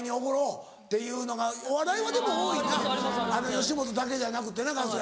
吉本だけじゃなくてな春日。